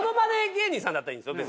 芸人さんだったらいいんですよ